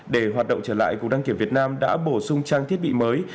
để hoạt động trở lại cục đăng kiểm việt nam đã bổ sung trang thiết bị mới